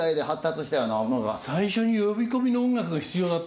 最初に呼び込みの音楽が必要だった？